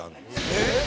えっ！